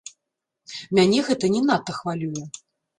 Мяне гэта не надта хвалюе.